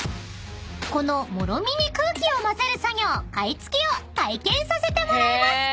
［この諸味に空気を混ぜる作業櫂突きを体験させてもらいます］